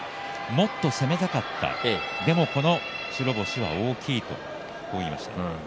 もっと攻めたかった、でもこの白星は大きいと言っていました。